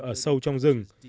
ở sâu trong rừng